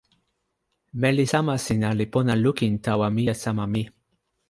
meli sama sina li pona lukin tawa mije sama mi.